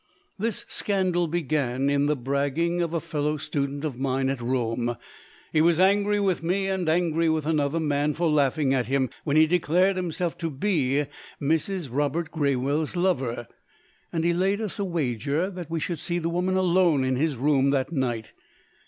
This scandal began in the bragging of a fellow student of mine at Rome. He was angry with me, and angry with another man, for laughing at him when he declared himself to be Mrs. Robert Graywell's lover: and he laid us a wager that we should see the woman alone in his room, that night.